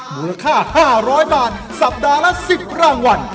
มูลค่า๕๐๐บาทสัปดาห์ละ๑๐รางวัล